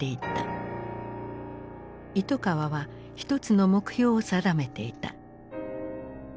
糸川は一つの目標を定めていた。